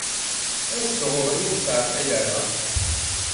as-d ɣur-i, ur ttɛeṭṭil ara.